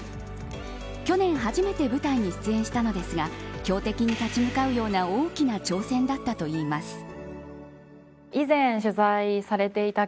去年初めて舞台に出演したのですが強敵に立ち向かうような大きな挑戦だったといいます。